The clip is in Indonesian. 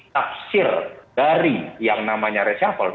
tafsir dari yang namanya reshuffle